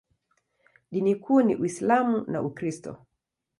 Dini kuu ni Uislamu na Ukristo.